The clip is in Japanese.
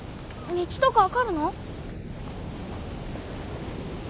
道とか分かるの？